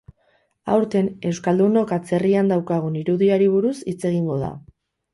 Aurten, euskaldunok atzerrian daukagun irudiari buruz hitz egingo da.